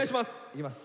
いきます。